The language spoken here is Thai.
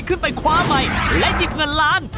ขึ้นไปคว้าใหม่และหยิบเงินล้าน